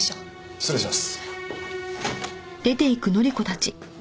失礼します。